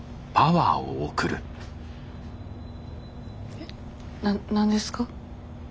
えっな何ですか？